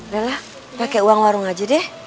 lelah pakai uang warung aja deh